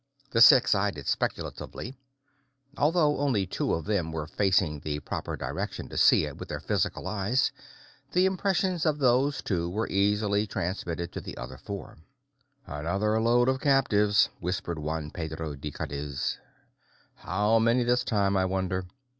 The six eyed it speculatively. Although only two of them were facing the proper direction to see it with their physical eyes, the impressions of those two were easily transmitted to the other four. "Another load of captives," whispered Juan Pedro de Cadiz. "How many this time, I wonder?"